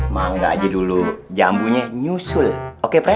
mangga aja dulu jambunya nyusul oke